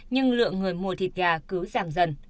nhưng lượng người mua thịt gà cứ giảm dần